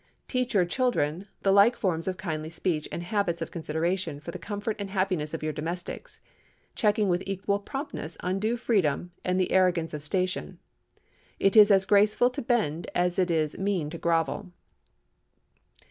Teach your children the like forms of kindly speech and habits of consideration for the comfort and happiness of your domestics, checking with equal promptness undue freedom and the arrogance of station. It is as graceful to bend as it is mean to grovel.